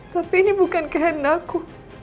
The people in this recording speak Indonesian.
tapi ini bukan kehena aku